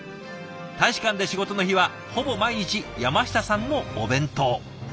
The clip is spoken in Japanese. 大使館で仕事の日はほぼ毎日山下さんのお弁当。